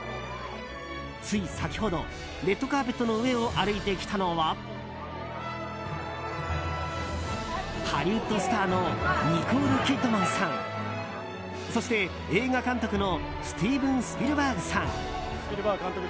つい先ほどレッドカーペットの上を歩いてきたのはハリウッドスターのニコール・キッドマンさんそして映画監督のスティーブン・スピルバーグさん。